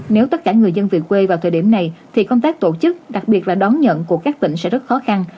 nếu tất cả người dân về quê vào thời điểm này thì công tác tổ chức đặc biệt là đón nhận của các tỉnh sẽ rất khó khăn